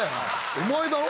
お前だろ？